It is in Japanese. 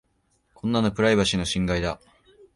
こんなのプライバシーの侵害だ。